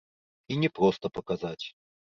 І не проста паказаць.